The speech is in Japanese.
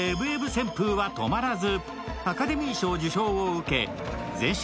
旋風は止まらず。